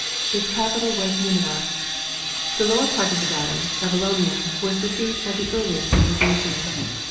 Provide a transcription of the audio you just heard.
Its capital was Nineveh. The lower part of the valley, Babylonia, was the seat of the earliest civilization.